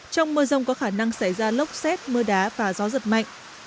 trong mưa rông có khả năng xảy ra lốc xét mưa đá và gió giật mạnh